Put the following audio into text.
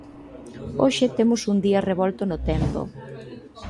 Hoxe temos un día revolto no tempo.